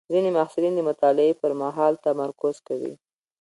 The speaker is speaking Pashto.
ځینې محصلین د مطالعې پر مهال تمرکز زیاتوي.